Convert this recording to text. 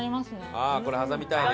ああこれ挟みたいね。